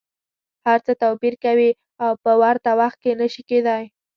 هر څه توپیر کوي او په ورته وخت کي نه شي کیدای.